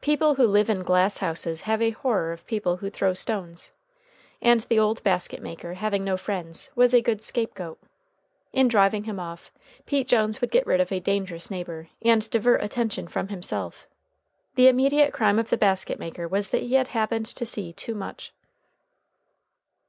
People who live in glass houses have a horror of people who throw stones. And the old basket maker, having no friends, was a good scape goat. In driving him off, Pete Jones would get rid of a dangerous neighbor and divert attention from himself. The immediate crime of the basket maker was that he had happened to see too much.